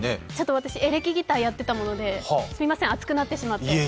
私、エレキギターやってたもので、すいません、熱くなってしまって。